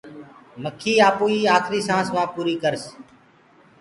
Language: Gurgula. مَکيٚ آپوئيٚ آکريٚ سآنٚس وهآنٚ پوريٚ ڪرس